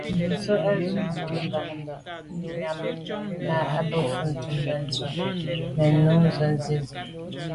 Ndùse à swe’ nkum bag mbi nyam nà à ba mfetnjù Benntùn nèn nô nsi nzi.